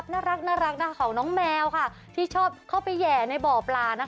สำหรับวันนี้ก็ลาไปด้วยภาพน่ารักของน้องแมวที่ชอบเข้าไปแห่ในบ่อปลา